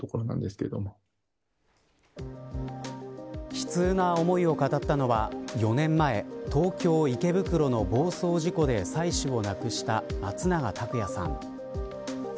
悲痛な思いを語ったのは４年前東京・池袋の暴走事故で妻子を亡くした松永拓也さん。